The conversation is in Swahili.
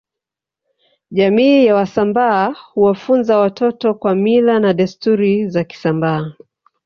Jamii ya wasambaa huwafunza watoto kwa Mila na desturi za kisambaa